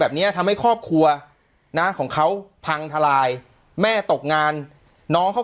เนี้ยทำให้ครอบครัวนะของเขาพังทลายแม่ตกงานน้องเขา